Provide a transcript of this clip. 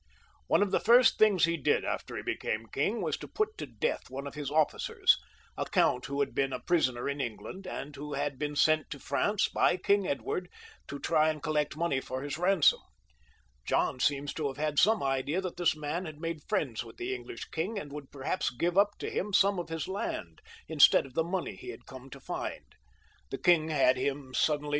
One of the first things he did, after he became king, was to put to death one of his officers ; a count who had been a prisoner in England, and who had been sent to France, by King Edward, to try and collect money for his ransom. John seems to have had some idea that this man had made friends with the English king, and would perhaps give up to him some of his land, instead of the money he had come to find. The king had him suddenly XXVI.] yOHN (LE BON).